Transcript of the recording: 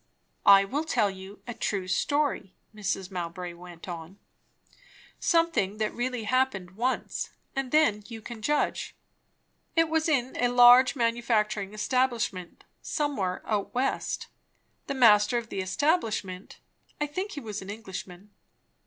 "I will tell you a true story," Mrs. Mowbray went on. "Something that really once happened; and then you can judge. It was in a large manufacturing establishment, somewhere out West. The master of the establishment I think he was an Englishman?